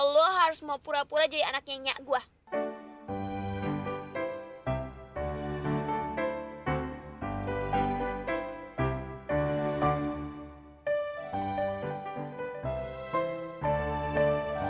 lo harus mau pura pura jadi anak nyanya gue